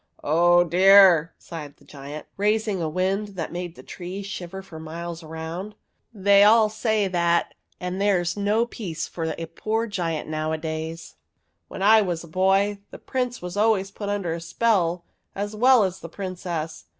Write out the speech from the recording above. " Oh, dear," sighed the giant, raising a wind that made the trees shiver for miles round. " They all say that, and there s no peace for a poor giant now a days. When I was a boy, the Prince was always put under a spell as well as the Princess.